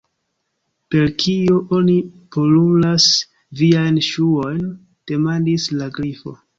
"Per kio oni poluras viajn ŝuojn?" demandis la Grifo.